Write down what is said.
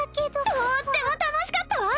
とっても楽しかったわ！